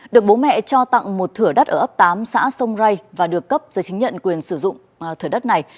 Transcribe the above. được bố mẹ cho tặng một thửa đất ở ấp tám xã sông rây và được cấp do chính nhận quyền sử dụng thửa đất này